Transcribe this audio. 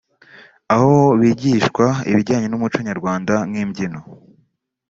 aho bigishwa ibijyanye n’umuco Nyarwanda nk’imbyino